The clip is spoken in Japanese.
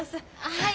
はい。